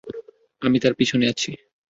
আমি তার পিছনে আছি।